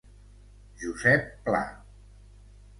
Josep Pla.